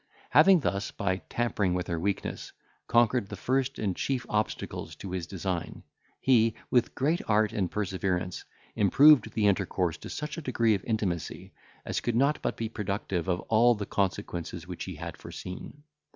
Having thus, by tampering with her weakness, conquered the first and chief obstacles to his design, he, with great art and perseverance, improved the intercourse to such a degree of intimacy, as could not but be productive of all the consequences which he had foreseen.